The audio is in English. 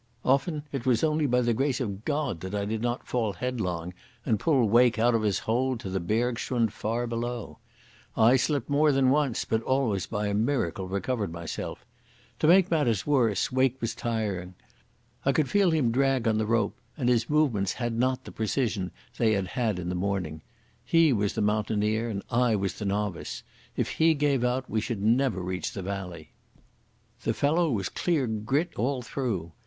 Often it was only by the grace of God that I did not fall headlong, and pull Wake out of his hold to the bergschrund far below. I slipped more than once, but always by a miracle recovered myself. To make things worse, Wake was tiring. I could feel him drag on the rope, and his movements had not the precision they had had in the morning. He was the mountaineer, and I the novice. If he gave out, we should never reach the valley. The fellow was clear grit all through.